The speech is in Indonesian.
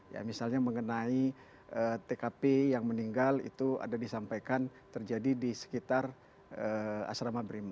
ya misalnya mengenai tkp yang meninggal itu ada disampaikan terjadi di sekitar asrama brimo